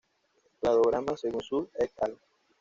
Cladograma según Xu "et al.